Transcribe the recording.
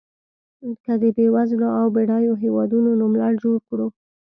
که د بېوزلو او بډایو هېوادونو نوملړ جوړ کړو.